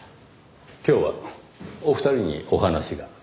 今日はお二人にお話が。